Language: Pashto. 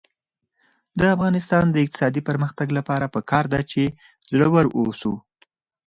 د افغانستان د اقتصادي پرمختګ لپاره پکار ده چې زړور اوسو.